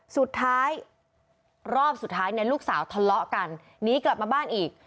สุดท้ายรอบสุดท้ายเนี่ยลูกสาวทะเลาะกันหนีกลับมาบ้านอีก